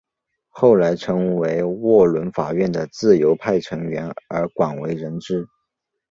后来成为沃伦法院的自由派成员而广为人知。